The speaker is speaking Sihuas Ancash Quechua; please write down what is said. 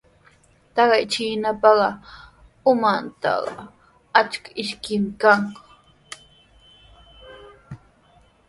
Taqay chiinapa umantrawqa achka ishkimi kan.